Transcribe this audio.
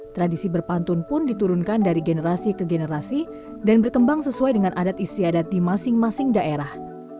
tradisi berpantun pun diturunkan dari generasi ke generasi dan berkembang sesuai dengan adat istiadat di masing masing daerah